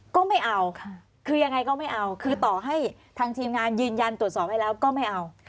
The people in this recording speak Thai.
ก็ไม่เอาคือยังไงก็ไม่เอาคือต่อให้ทางทีมงานยืนยันตรวจสอบให้แล้วก็ไม่เอา